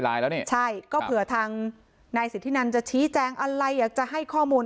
ใช่ก็เผื่อทางนายสิทธินันจะชี้แจงอะไรอยากจะให้ข้อมูล